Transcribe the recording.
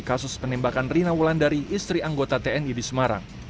kasus penembakan rina wulandari istri anggota tni di semarang